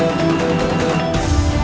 aku akan terus memburumu